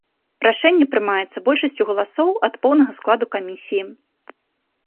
Рашэнне прымаецца большасцю галасоў ад поўнага складу камісіі.